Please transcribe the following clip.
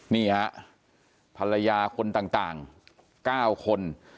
นี่ฮะภรรยาคนต่าง๙คน